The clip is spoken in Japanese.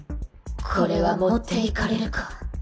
これは持っていかれるか